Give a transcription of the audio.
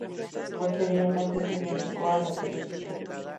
Posteriormente, se dedicó a la televisión.